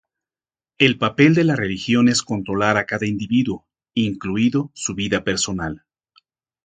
El papel de la religión es controlar a cada individuo, incluido su vida personal.